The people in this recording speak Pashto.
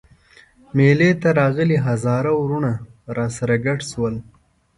مېلې ته راغلي هزاره وروڼه راسره ګډ شول.